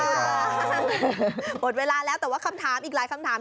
หมดเวลาแล้วแต่ว่าคำถามอีกหลายคำถาม